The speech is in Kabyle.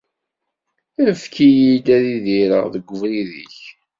Efk-iyi ad idireɣ deg ubrid-ik.